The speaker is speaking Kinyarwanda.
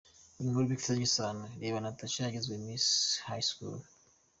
Inkuru bifitanye isano: Irebe Natacha yagizwe Miss High School.